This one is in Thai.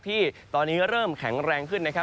ที่ตอนนี้เริ่มแข็งแรงขึ้นนะครับ